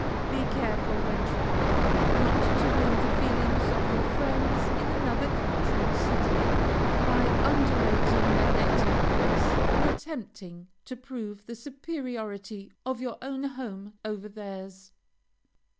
Be careful, when traveling, not to wound the feelings of your friends in another country or city, by underrating their native place, or attempting to prove the superiority of your own home over theirs.